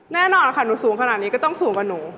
แน่นอนค่ะหนูสูงขนาดนี้ก็ต้องสูงกว่าหนู